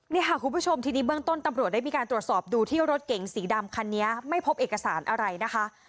นี่ค่ะคุณผู้ชมทีนี้เบื้องต้นตำรวจได้มีการตรวจสอบดูที่รถเก๋งสีดำคันนี้ไม่พบเอกสารอะไรนะคะ